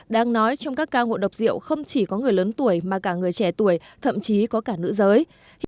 đang nói trong các ca ngộ độc rượu không chỉ có người lớn tuổi mà cả người trẻ tuổi thậm chí có cả nữ giới